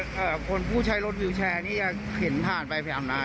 แล้วปกติคนที่ใช้รถวิวแชร์นี่จะเข่นผ่านไปอ่ำราใช่ไหม